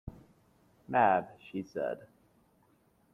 Mab, she said.